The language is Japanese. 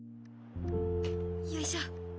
よいしょ。